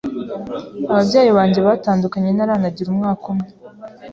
ababyeyi banjye batandukanye ntaranagira umwaka umwe,